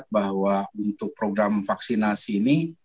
bahwa untuk program vaksinasi ini